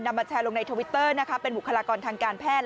มาแชร์ลงในทวิตเตอร์นะคะเป็นบุคลากรทางการแพทย์